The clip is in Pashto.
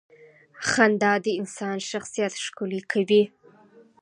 • خندا د انسان شخصیت ښکلې کوي.